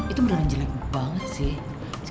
itu beneran jelek banget sih